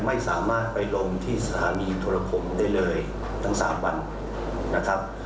ไม่สามารถไปลงที่สถานีโทรผมได้เลยทั้ง๓วันนะครับ